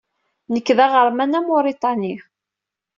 Nekk d aɣerman amuriṭani.